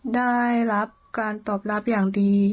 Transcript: ได้รับการตอบรับอย่างดี